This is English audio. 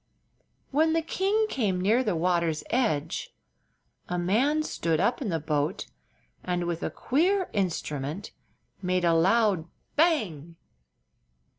When the king came near the water's edge a man stood up in the boat and with a queer instrument made a loud "bang!"